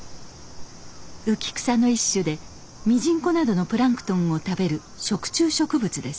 浮き草の一種でミジンコなどのプランクトンを食べる食虫植物です。